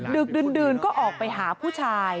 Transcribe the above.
ดึกดื่นก็ออกไปหาผู้ชาย